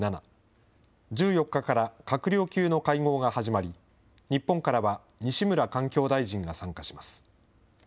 １４日から閣僚級の会合が始まり、日本からは西村環境大臣が参加します。